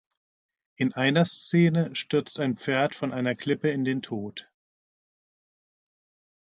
In einer Szene stürzt ein Pferd von einer Klippe in den Tod.